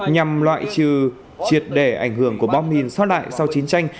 nhằm loại trừ triệt để ảnh hưởng của bom mìn so sát lại sau chiến tranh